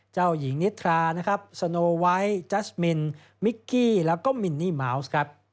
เจ้าหญิงนิทราสโนไวท์จัสมินมิกกี้แล้วก็มินนี่มาวซ